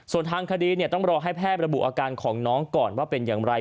ส่วนทางคดีต้องรอให้แพทย์ระบุอาการของน้องก่อนว่าเป็นอย่างไร